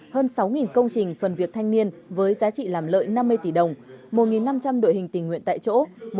hơn sáu công trình phần việc thanh niên với giá trị làm lợi năm mươi tỷ đồng một năm trăm linh đội hình tình nguyện tại chỗ